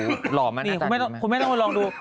คุณไม่ต้องมาลองดู